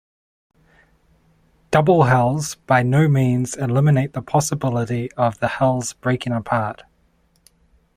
Double hulls by no means eliminate the possibility of the hulls breaking apart.